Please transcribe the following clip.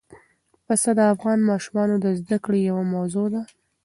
پسه د افغان ماشومانو د زده کړې یوه موضوع ده.